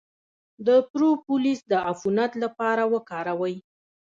د پروپولیس د عفونت لپاره وکاروئ